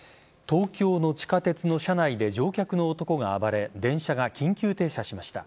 東京の地下鉄の車内で乗客の男が暴れ電車が緊急停車しました。